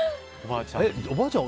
おばあちゃん